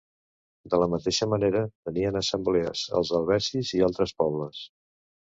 De la mateixa manera, tenien assemblees els helvecis i altres pobles.